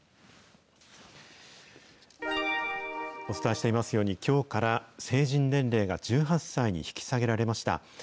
お伝えしていますように、きょうから成人年齢が１８歳に引き下げられました。